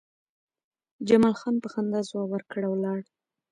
جمال خان په خندا ځواب ورکړ او لاړ